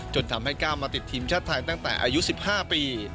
จนทำให้ก้าวมาติดทีมชาติไทยตั้งแต่อายุ๑๕ปี